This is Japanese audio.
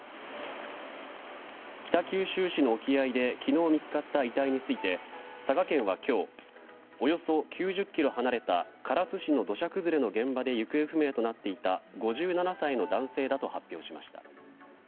北九州市の沖合で昨日見つかった遺体について佐賀県は今日およそ９０ｋｍ離れた唐津市の土砂崩れの現場で行方不明となっていた５７歳の男性だと発表しました。